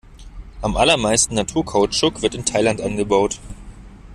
Am allermeisten Naturkautschuk wird in Thailand angebaut.